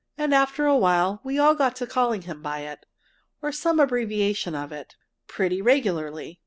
And after a while we all got to calling him by it or some abbreviation of it pretty regularly.